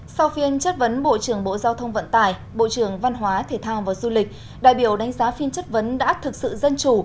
sau phiên chất vấn bộ trưởng bộ giao thông vận tải bộ trưởng văn hóa thể thao và du lịch đại biểu đánh giá phiên chất vấn đã thực sự dân chủ